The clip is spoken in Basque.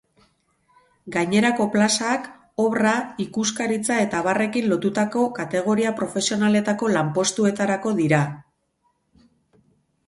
Gainerako plazak obra, ikuskaritza eta abarrekin lotutako kategoria-profesionaletako lanpostuetarako dira.